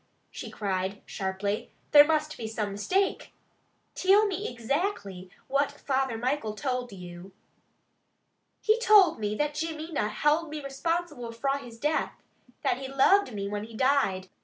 she cried sharply. "There must be some mistake. Till me ixactly what Father Michael told you?" "He told me that Jimmy na held me responsible fra his death. That he loved me when he died.